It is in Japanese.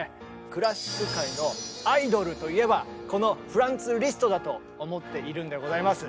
クラシック界のアイドルといえばこのフランツ・リストだと思っているんでございます。